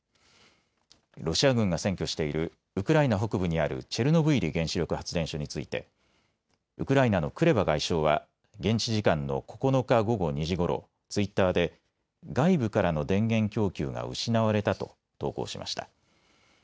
ロシア軍が占拠しているウクライナ北部にあるチェルノブイリ原子力発電所についてウクライナのクレバ外相は現地時間の９日、午後２時ごろツイッターで外部からの電源供給が失われたと投稿しました。